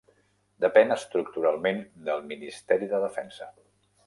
Depèn estructuralment del Ministeri de Defensa.